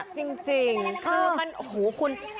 จริงคือมันโอ้โหคุณ